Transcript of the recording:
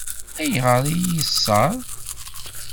Ayɣer i yi-yeṣṣeṛ?